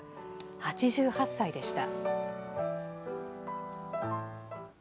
８８歳でした。